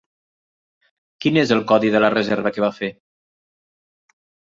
Quin és el codi de la reserva que va fer?